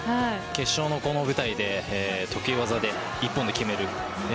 決勝の舞台で得意技で一本で決める。